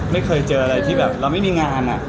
ไม่เคยเจออะไรที่แบบเราไม่มีงาน